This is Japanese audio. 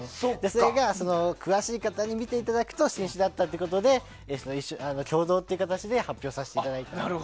それを詳しい方に見ていただくと新種だったということで共同という形で発表させていただいたと。